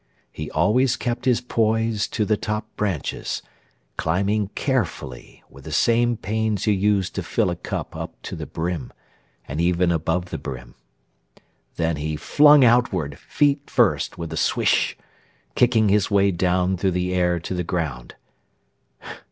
He always kept his poise To the top branches, climbing carefully With the same pains you use to fill a cup Up to the brim, and even above the brim. Then he flung outward, feet first, with a swish, Kicking his way down through the air to the ground.